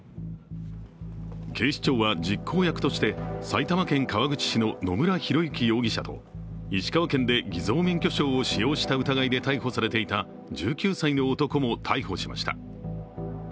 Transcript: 警視庁は実行役として埼玉県川口市の野村広之容疑者と石川県で偽造免許証を使用した疑いで逮捕されていた１９歳の男も逮捕しました。